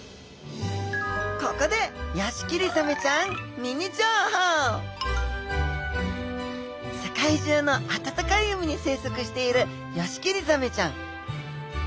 ここでヨシキリザメちゃんミニ情報世界中の暖かい海に生息しているヨシキリザメちゃん。